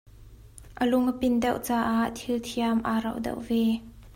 A lung a pin deuh caah thil thiam aa rauh deuh ve.